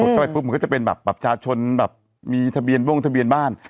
มันก็จะไปปุ๊บมันก็จะเป็นแบบแบบชาชนแบบมีทะเบียนวงทะเบียนบ้าน